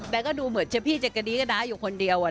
แล้วก็ดูเหมือนเจ๊พี่เจ็กกะดีก็ได้อยู่คนเดียว